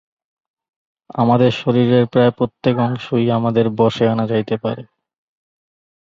আমাদের শরীরের প্রায় প্রত্যেক অংশই আমাদের বশে আনা যাইতে পারে।